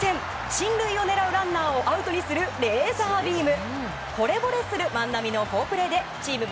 進塁を狙うランナーをアウトにするレーザービーム。